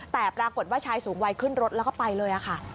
แต่ปรากฏว่าชายสูงวัยขึ้นรถแล้วก็ไปเลยค่ะ